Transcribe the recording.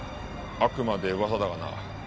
あくまで噂だがな。